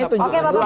itu udah dulu